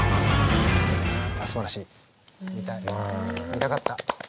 見たかった。